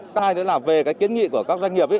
các anh nữa là về cái kiến nghị của các doanh nghiệp